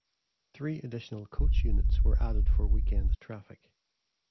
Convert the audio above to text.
Three additional coach units were added for weekend traffic.